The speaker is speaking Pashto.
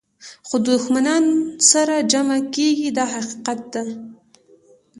خو دښمنان سره جمع کېږي دا حقیقت دی.